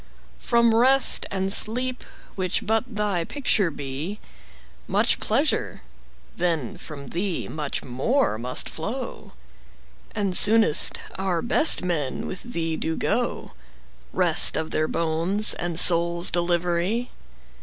From Rest and Sleep, which but thy picture be, 5 Much pleasure, then from thee much more must flow; And soonest our best men with thee do go— Rest of their bones and souls' delivery!